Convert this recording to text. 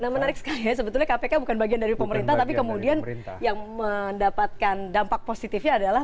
nah menarik sekali ya sebetulnya kpk bukan bagian dari pemerintah tapi kemudian yang mendapatkan dampak positifnya adalah